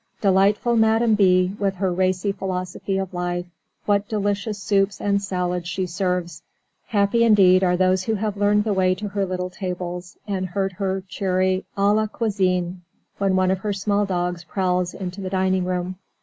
Delightful Madame B., with her racy philosophy of life, what delicious soups and salads she serves! Happy indeed are those who have learned the way to her little tables, and heard her cheerful cry "À la cuisine!" when one of her small dogs prowls into the dining room.